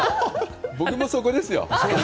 僕もそこですよ。